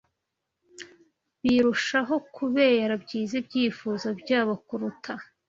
birushaho kubera byiza ibyifuzo byabo kuruta